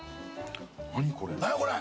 何やこれ？